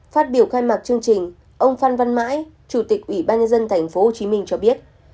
phát biểu khai mạc chương trình ông phan văn mãi chủ tịch ủy ban nhân dân thành phố hồ chí minh cho biết